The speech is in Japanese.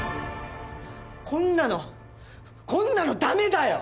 こんなのこんなの駄目だよ！